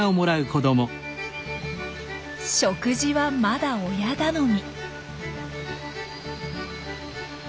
食事はまだ親頼み。